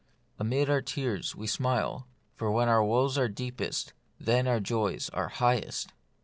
Amid our tears we smile, for when our woes are deepest, then our joys are highest.